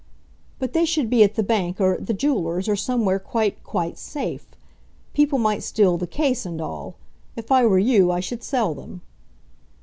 "But they should be at the bank, or at the jewellers, or somewhere quite quite safe. People might steal the case and all. If I were you, I should sell them."